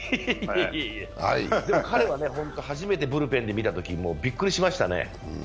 でも彼は初めてブルペンで見たときびっくりしましたね。